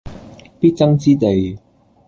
必爭之地